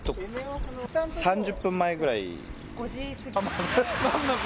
３０分前くらい。